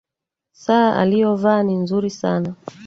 Saa aliyovaa ni nzuri sana